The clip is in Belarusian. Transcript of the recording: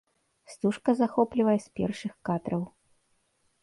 Стужка захоплівае з першых кадраў.